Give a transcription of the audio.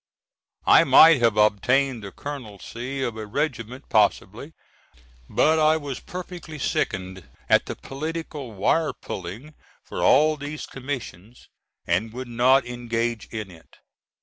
I might have obtained the colonelcy of a regiment possibly, but I was perfectly sickened at the political wire pulling for all these commissions, and would not engage in it.